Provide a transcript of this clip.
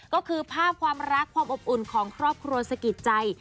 ก็คือภาพความรักความอบอุ่นของครอบครัวสกิดใจ